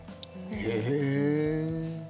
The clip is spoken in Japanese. へえ。